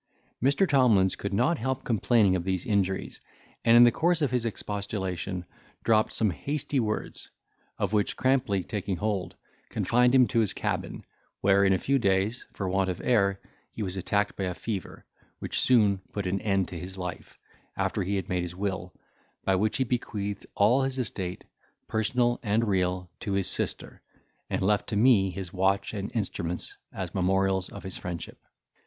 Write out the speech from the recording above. Mr. Tomlins could not help complaining of these injuries, and in the course of his expostulation dropped some hasty words, of which Crampley taking hold, confined him to his cabin, where, in a few days, for want of air he was attacked by a fever, which soon put an end to his life, after he had made his will, by which he bequeathed all his estate, personal and real, to his sister, and left to me his watch and instruments as memorials of his friendship.